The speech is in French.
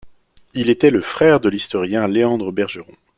Il était le frère de l'historien Léandre Bergeron.